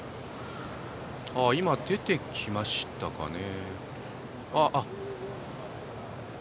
今、出てきましたかね。